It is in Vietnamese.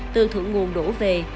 từ thượng nguồn đổ về